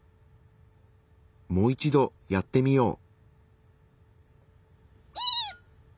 もう一度やってみよう。